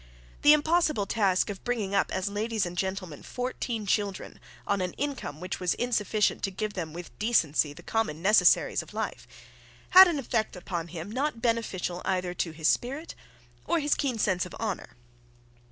The impossible task of bringing up as ladies and gentlemen fourteen children on an income which was insufficient to give them with decency the common necessities of life, had had an effect upon him not beneficial either to his spirit, or his keen sense of honour.